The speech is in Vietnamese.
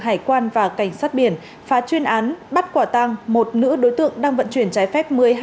hải quan và cảnh sát biển phá chuyên án bắt quả tăng một nữ đối tượng đang vận chuyển trái phép